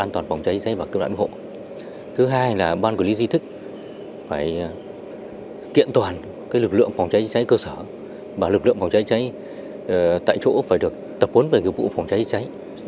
thứ hai là ban quản lý di tích phải kiện toàn cái lực lượng phòng cháy chữa cháy cơ sở và lực lượng phòng cháy chữa cháy tại chỗ phải được tập huấn về nghiệp vụ phòng cháy chữa cháy